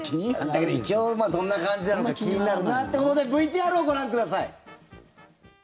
だけど一応、どんな感じなのか気になるなってことでＶＴＲをご覧ください！